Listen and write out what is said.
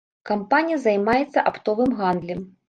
Кампанія займаецца аптовым гандлем.